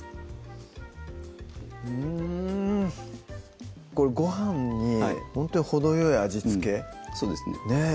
うんこれご飯にほんとに程よい味付けそうですねねぇ